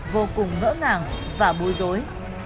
vô cùng ngỡ ngàng và bối rối